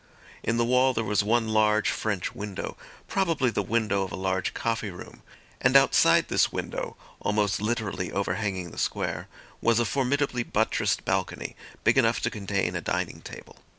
In the wall there was one large French window, probably the window of a large coffee room; and outside this window, almost literally overhanging the square, was a formidably buttressed balcony, big enough to contain a dining table.